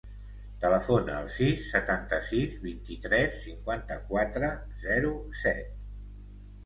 Telefona al sis, setanta-sis, vint-i-tres, cinquanta-quatre, zero, set.